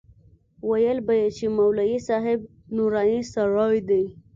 ويل به يې چې مولوي صاحب نوراني سړى دى.